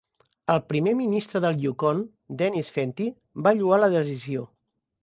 El primer ministre del Yukon, Dennis Fentie, va lloar la decisió.